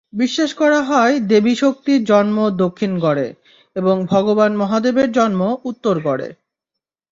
বিশ্বাস করা হয় দেবী শক্তির জন্ম দক্ষিণগড়ে, এবং ভগবান মহাদেবের জন্ম উত্তরগড়ে।